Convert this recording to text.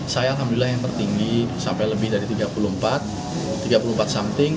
saya alhamdulillah yang tertinggi sampai lebih dari tiga puluh empat something